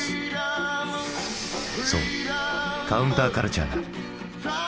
そうカウンターカルチャーだ。